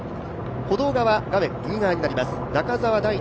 歩道側、画面右側になります、中澤大地